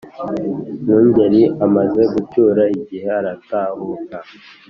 Mwungeli amaze gucyura igihe, aratahuka